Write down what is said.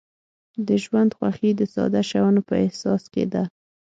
د ژوند خوښي د ساده شیانو په احساس کې ده.